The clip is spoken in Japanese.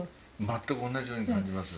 全く同じように感じます。